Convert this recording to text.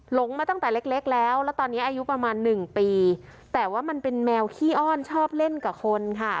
หลงมาตั้งแต่เล็กเล็กแล้วแล้วตอนนี้อายุประมาณหนึ่งปีแต่ว่ามันเป็นแมวขี้อ้อนชอบเล่นกับคนค่ะ